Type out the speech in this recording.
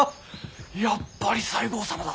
やっぱり西郷様だ。